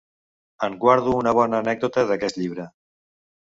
En guardo una bona anècdota d’aquest llibre.